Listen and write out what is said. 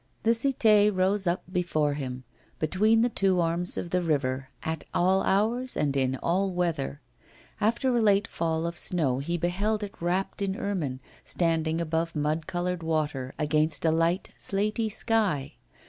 The Cité rose up before him, between the two arms of the river, at all hours and in all weather. After a late fall of snow he beheld it wrapped in ermine, standing above mud coloured water, against a light slatey sky.